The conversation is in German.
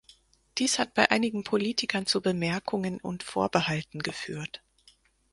Dies hat bei einigen Politikern zu Bemerkungen und Vorbehalten geführt.